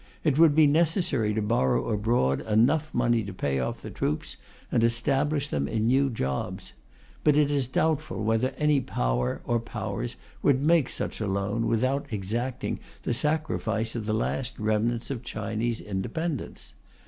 It would be necessary to borrow from abroad enough money to pay off the troops and establish them in new jobs. But it is doubtful whether any Power or Powers would make such a loan without exacting the sacrifice of the last remnants of Chinese independence.